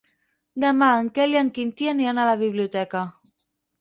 Demà en Quel i en Quintí aniran a la biblioteca.